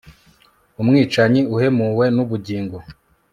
umwicanyi uhemuwe n'ubugingo